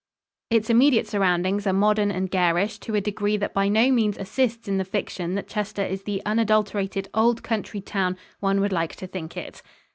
Its immediate surroundings are modern and garish to a degree that by no means assists in the fiction that Chester is the unadulterated old country town one would like to think it."